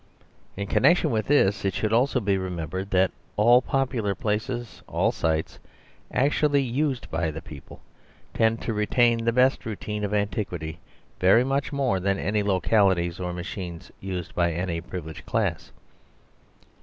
In connection with this it should also be remembered that all popular places, all sites, actually used by the people, tend to retain the best routine of antiquity very much more than any localities or machines used by any privileged class.